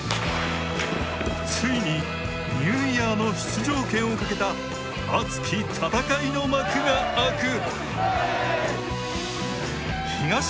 ついに、ニューイヤーの出場権をかけた熱き戦いの幕が開く。